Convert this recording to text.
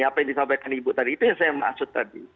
apa yang disampaikan ibu tadi itu yang saya maksud tadi